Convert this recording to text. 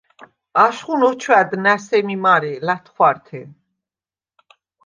აშხუნ ოჩვა̈დდ ნა̈ სემი მარე ლა̈თხვართე.